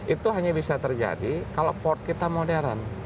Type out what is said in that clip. itu hanya bisa terjadi kalau port kita modern